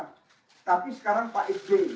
tapi sekarang pak sby